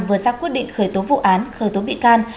vừa ra quyết định khởi tố vụ án khởi tố bị can